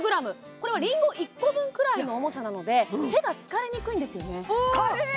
これはりんご１個分くらいの重さなので手が疲れにくいんですよね